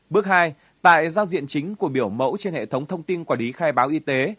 bước hai tại giao diện chính của biểu mẫu trên hệ thống thông tin quản lý khai báo y tế